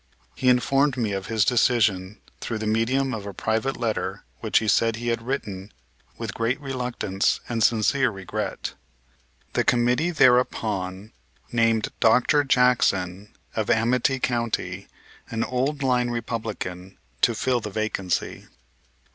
He informed me of his decision through the medium of a private letter which he said he had written with great reluctance and sincere regret. The committee thereupon named Dr. Jackson, of Amite County, an old line Republican, to fill the vacancy.